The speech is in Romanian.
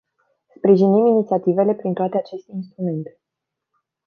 Sprijinim inițiativele prin toate aceste instrumente.